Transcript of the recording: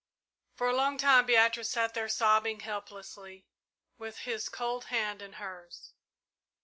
For a long time Beatrice sat there, sobbing helplessly, with his cold hand in hers.